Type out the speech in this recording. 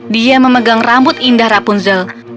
dia memegang rambut indah rapunzel